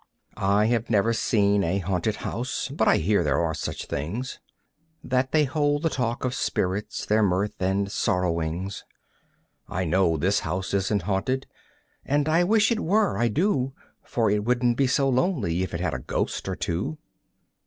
I never have seen a haunted house, but I hear there are such things; That they hold the talk of spirits, their mirth and sorrowings. I know this house isn't haunted, and I wish it were, I do; For it wouldn't be so lonely if it had a ghost or two.